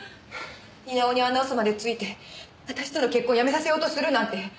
稲尾にあんな嘘までついて私との結婚やめさせようとするなんて！